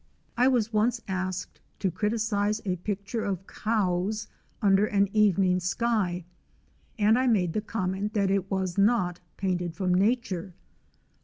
I was once asked to criticise a picture of cows under an evening sky, and I made the comment that it was not painted from Nature.